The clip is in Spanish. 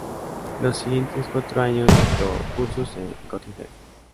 Los siguientes cuatro años dictó cursos en Göttingen.